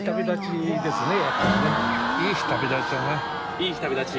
『いい日旅立ち』。